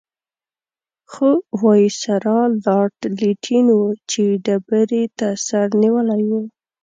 خو وایسرا لارډ لیټن وچې ډبرې ته سر نیولی وو.